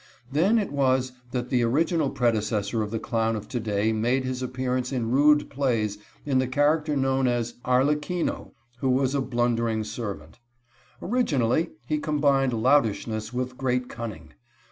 Then it was that the original predecessor of the clown of to day made his appearance in rude plays in the character known as Arlecchino, who was a blundering servant. Originally he combined loutishness with great cunning.